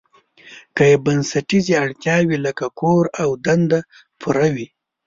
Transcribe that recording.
که یې بنسټیزې اړتیاوې لکه کور او دنده پوره وي.